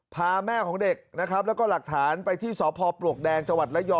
พาแม่ของเด็กและหลักฐานไปที่สพปลวกแดงจลย